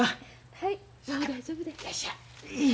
はい。